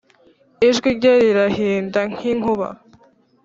ijwi rye rirahinda nk’inkuba;